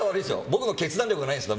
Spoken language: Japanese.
僕の決断力がないんです。